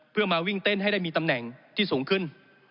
เพื่อมาวิ่งเต้นให้ได้มีตำแหน่งที่สูงขึ้น